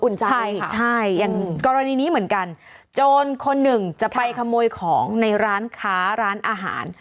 ใช่ใช่อย่างกรณีนี้เหมือนกันโจรคนหนึ่งจะไปขโมยของในร้านค้าร้านอาหาร